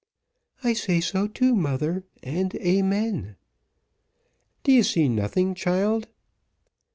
"I say so too, mother, and amen." "D'ye see nothing, child?"